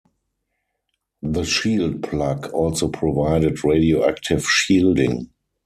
The shield plug also provided radioactive shielding.